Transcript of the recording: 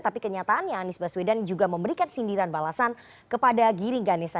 tapi kenyataannya anies baswedan juga memberikan sindiran balasan kepada giringganesa